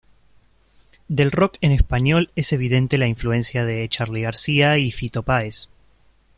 Del rock en español es evidente la influencia de Charly García y Fito Páez.